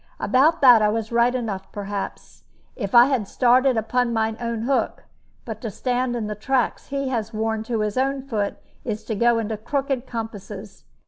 "About that I was right enough, perhaps, if I had started upon my own hook; but to stand in the tracks he has worn to his own foot is to go into crooked compasses.